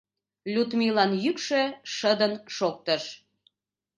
— Людмилан йӱкшӧ шыдын шоктыш.